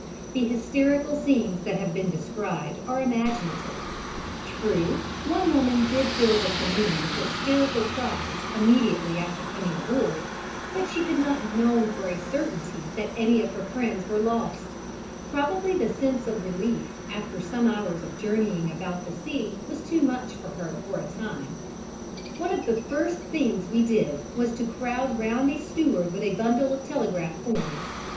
The hysterical scenes that have been described are imaginative; true, one woman did fill the saloon with hysterical cries immediately after coming aboard, but she could not have known for a certainty that any of her friends were lost: probably the sense of relief after some hours of journeying about the sea was too much for her for a time. One of the first things we did was to crowd round a steward with a bundle of telegraph forms.